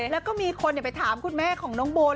แล้วก็มีคนไปถามคุณแม่ของน้องโบ